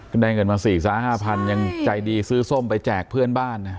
ก็ได้เงินมาสี่สะห้าพันยังใจดีซื้อส้มไปแจกเพื่อนบ้านอ่ะ